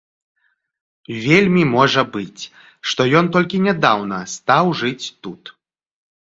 Вельмі можа быць, што ён толькі нядаўна стаў жыць тут.